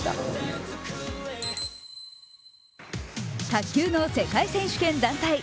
卓球の世界選手権団体。